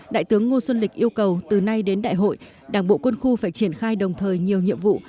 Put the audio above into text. đại tướng ngô xuân lịch yêu cầu từ nay đến đại hội đảng bộ quân khu phải triển khai đồng thời nhiều nhiệm vụ